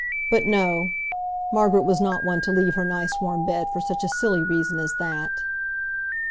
But no. Margaret was not one to leave her nice warm bed for such a silly reason as that.